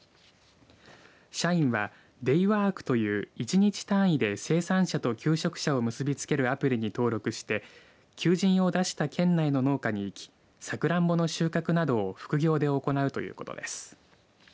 社員はｄａｙｗｏｒｋという１日単位で生産者と求職者を結びつけるアプリに登録して求人を出した県内の農家に行きサクランボの収穫などを副業で行うということです。